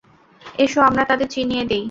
এসো আমরা তাদের চিনিয়ে দেই।